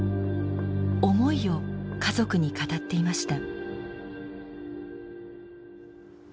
思いを家族に語っていました。